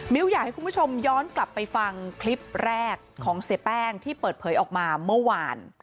อยากให้คุณผู้ชมย้อนกลับไปฟังคลิปแรกของเสียแป้งที่เปิดเผยออกมาเมื่อวาน